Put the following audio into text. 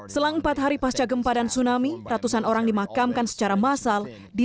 selang empat hari pasca gempa dan tsunami ratusan orang dimakamkan secara masal di tpu poboya indah palu